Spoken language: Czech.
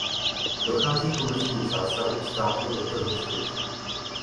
Dochází k omezení zásahů státu do trhu s byty.